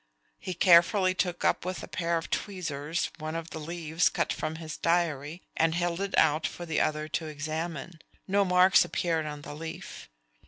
He carefully took up with a pair of tweezers one of the leaves cut from his diary, and held it out for the other to examine. No marks appeared on the leaf.